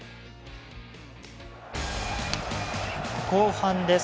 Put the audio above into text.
後半です。